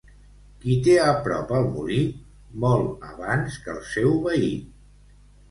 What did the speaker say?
Qui té a prop el molí, mol abans que el seu veí.